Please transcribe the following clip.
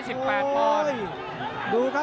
โดนท่องโดนท่องมีอาการ